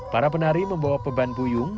para penari membawa beban puyung